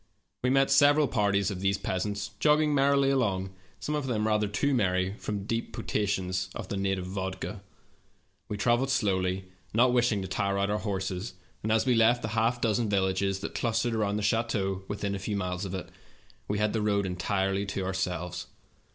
We met several parties of these peasants jogging merrily along, some of them rather too merry from deep potations of the native vodka. We traveled slowly, not wishing to tire our horses, and, as we left the half dozen villages that clus tered around the chateau within a few miles of it, we had the road entirely to ourselves.